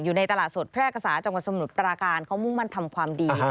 อยู่ในตลาดสดแพร่กษาจังหวัดสมุทรปราการเขามุ่งมั่นทำความดี